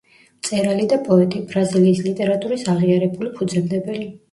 მწერალი და პოეტი, ბრაზილიის ლიტერატურის აღიარებული ფუძემდებელი.